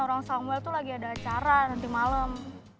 orang samuel tuh lagi ada acara nanti malem